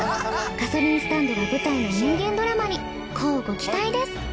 ガソリンスタンドが舞台の人間ドラマに乞うご期待です。